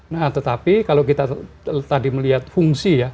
nah tetapi kalau kita tadi melihat fungsi ya